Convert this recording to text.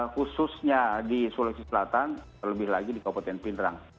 khususnya di sulawesi selatan terlebih lagi di kabupaten pindrang